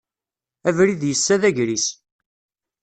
Abrid yessa d agris.